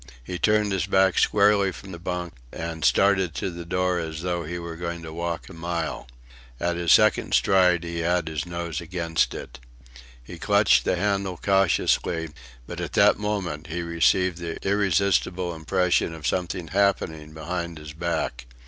He turned his back squarely from the bunk, and started to the door as though he were going to walk a mile. At his second stride he had his nose against it. He clutched the handle cautiously, but at that moment he received the irresistible impression of something happening behind his back.